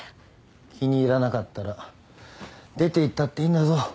気に入らなかったら出ていったっていいんだぞ。